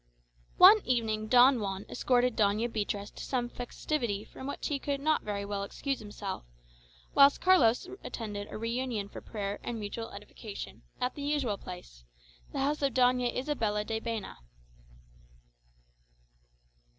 One evening Don Juan escorted Doña Beatriz to some festivity from which he could not very well excuse himself, whilst Carlos attended a re union for prayer and mutual edification at the usual place the house of Doña Isabella de Baena.